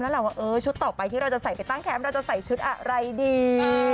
แหละว่าชุดต่อไปที่เราจะใส่ไปตั้งแคมป์เราจะใส่ชุดอะไรดี